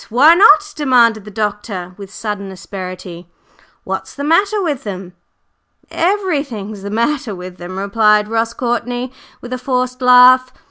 Why not?" demanded the doctor with sudden asperity. "What's the matter with them?" "Everything's the matter with them!" replied Ross Courtney with a forced laugh.